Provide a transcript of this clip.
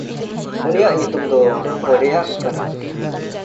ᱩᱱᱤᱭᱟᱜ ᱧᱩᱛᱩᱢ ᱫᱚ ᱠᱚᱰᱮᱭᱟᱦ ᱠᱟᱱᱟ᱾